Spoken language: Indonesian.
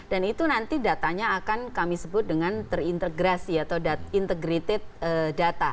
dan itu nanti datanya akan kami sebut dengan terintegrasi atau integrated data